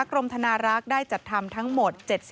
กรมธนารักษ์ได้จัดทำทั้งหมด๗๐